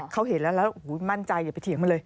เขาเห็นแล้วแล้วมั่นใจอย่าไปเถียงมันเลย